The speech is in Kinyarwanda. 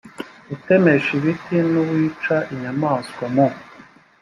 utemesha ibiti n uwica inyamaswa mu